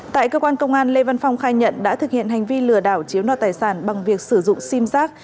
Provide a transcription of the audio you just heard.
tại cơ quan công an lê văn phong khai nhận đã thực hiện hành vi lừa đảo chiếm đoạt tài sản bằng việc sử dụng simsac